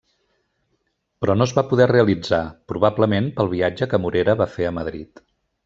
Però no es va poder realitzar, probablement pel viatge que Morera va fer a Madrid.